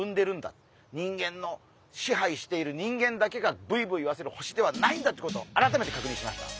人間の支配している人間だけがブイブイ言わせる星ではないんだってことを改めて確認しました。